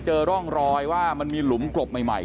เจอรถของเสียสู่ชาติ